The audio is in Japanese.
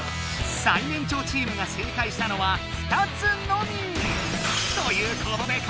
最年長チームが正解したのは２つのみ！